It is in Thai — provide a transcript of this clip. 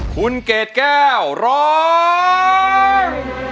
คุณเกดแก้วร้อง